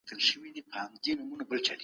اوږد مهاله پلانونه به غوره پایلې ولري.